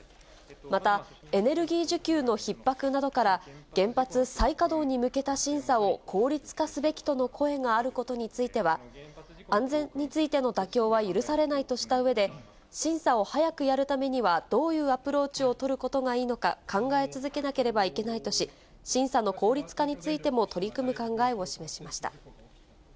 またエネルギー需給のひっ迫などから、原発再稼働に向けた審査を効率化すべきとの声があることについては、安全についての妥協は許されないとしたうえで、審査を早くやるためにはどういうアプローチを取ることがいいのか、考え続けなければいけないとし、審査の効率化についても取り組む考えを示しました。